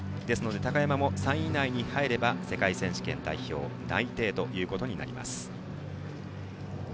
高山も３位以内に入れば世界選手権代表内定となります。